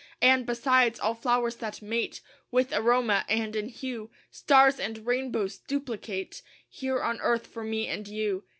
And, besides, all flowers that mate With aroma, and in hue Stars and rainbows duplicate Here on earth for me and you.